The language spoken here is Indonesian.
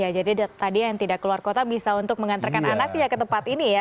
jadi tadi yang tidak keluar kota bisa untuk mengantarkan anak ke tempat ini ya